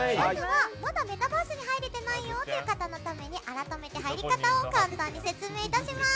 まだメタバースに入れてないよっていう方のために改めて入り方を簡単に説明いたします。